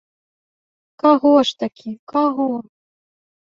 Каго ж такі, каго?